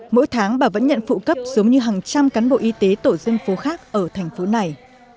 mỗi tháng bà vẫn nhận phụ cấp giống như hàng trăm cán bộ y tế tổ dân phố khác ở thành phố này